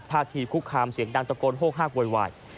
ท่าทีคุกคามเสียงดังตะโกนโฮกโวยวาย